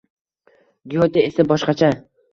Gyote esa boshqacha